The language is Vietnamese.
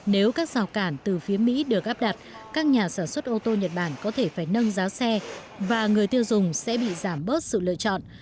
nếu các rào cản từ phía mỹ được áp đặt các nhà sản xuất ô tô nhật bản có thể phải nâng giá xe và người tiêu dùng sẽ bị giảm bớt sự lựa chọn